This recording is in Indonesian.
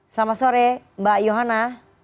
selamat sore mbak johana